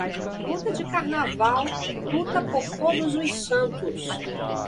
Luta de Carnaval, Luta por Todos os Santos.